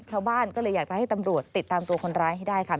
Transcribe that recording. ชาวบ้านก็เลยอยากจะให้ตำรวจติดตามตัวคนร้ายให้ได้ค่ะ